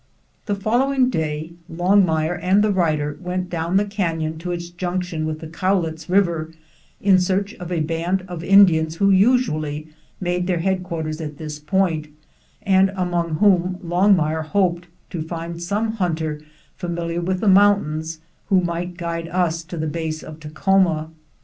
The following day Longmire and the writer went down the canyon to its junction with the Cowlitz River, in search of a band of Indians who usually made their headquarters at this point, and among whom Longmire hoped to find some hunter familiar with the 106 FIRST SUCCESSFUL ASCENT, 1870 mountains who might guide us to the base of Takhoma.